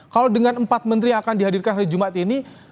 kalau dengan empat menteri yang akan dihadirkan hari jumat ini